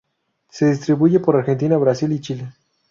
Se distribuye por Argentina, Brasil y Chile.